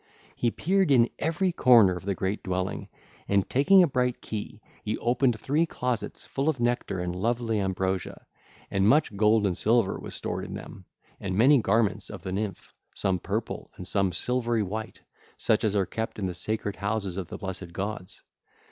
He peered in every corner of the great dwelling and, taking a bright key, he opened three closets full of nectar and lovely ambrosia. And much gold and silver was stored in them, and many garments of the nymph, some purple and some silvery white, such as are kept in the sacred houses of the blessed gods.